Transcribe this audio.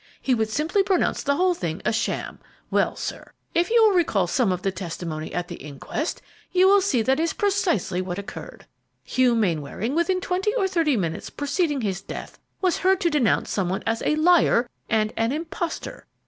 He would simply pronounce the whole thing a sham. Well, sir, if you will recall some of the testimony at the inquest, you will see that is precisely what occurred. Hugh Mainwaring, within twenty or thirty minutes preceding his death, was heard to denounce some one as a 'liar' and an 'impostor.'